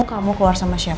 kamu keluar sama siapa